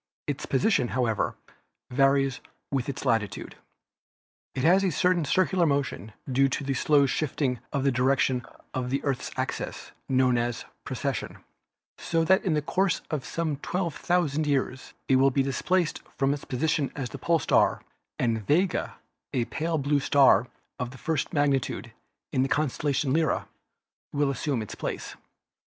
Its position, however, varies with its latitude. It has a certain circular motion, due to the slow shifting of the direction of the Earth's axis, known as precession, so that in the course of some twelve thou sand years it will be displaced from its position as pole star and Vega, a pale blue star of the first magnitude in the constellation Lyra, will assume its place.